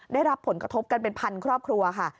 ได้รับผลกระทบกันเป็นพันครอบครัวค่ะ